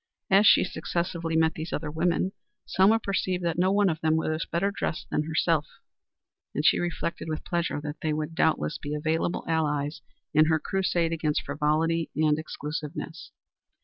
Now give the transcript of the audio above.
As she successively met these other women, Selma perceived that no one of them was better dressed than herself, and she reflected with pleasure that they would doubtless be available allies in her crusade against frivolity and exclusiveness.